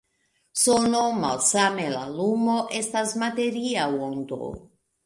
Sono, malsame la lumo, estas materia ondo.